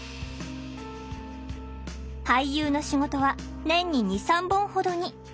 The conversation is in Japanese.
俳優の仕事は年に２３本ほどに。